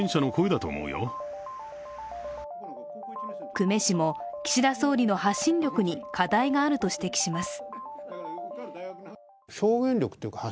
久米氏も、岸田総理の発信力に課題があると指摘します。